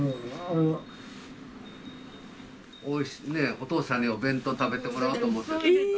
お父さんにお弁当食べてもらおうと思って。